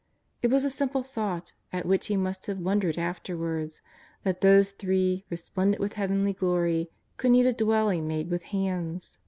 It was a simple thought at which he must have wondered afterwards, that those three, resplendent with heavenly glory, could need a dwelling made wuth hands